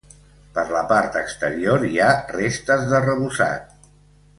Per la part exterior, hi ha restes d'arrebossat.